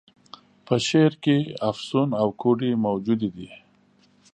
په شعر کي افسون او کوډې موجودي دي.